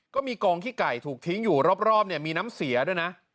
ก็มีกองขี้ไก่ถูกทิ้งอยู่รอบเนี่ยมีน้ำเสียด้วยนะ